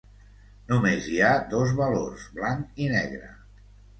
Només hi ha dos valors: blanc i negre.